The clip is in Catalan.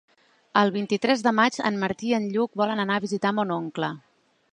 El vint-i-tres de maig en Martí i en Lluc volen anar a visitar mon oncle.